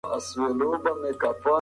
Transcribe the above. دعا تقدیر بدلوي.